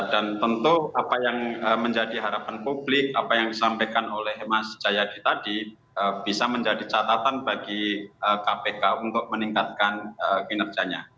dan tentu apa yang menjadi harapan publik apa yang disampaikan oleh mas jayadi tadi bisa menjadi catatan bagi kpk untuk meningkatkan kinerjanya